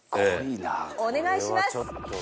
ええお願いします